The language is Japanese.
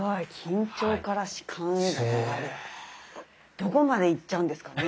どこまでいっちゃうんですかね。